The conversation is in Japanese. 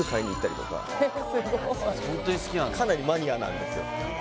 かなりマニアなんですよ